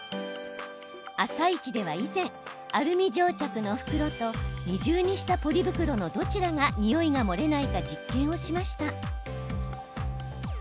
「あさイチ」では以前アルミ蒸着の袋と二重にしたポリ袋のどちらがにおいが漏れないか実験をしました。